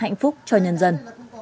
hạnh phúc cho nhân dân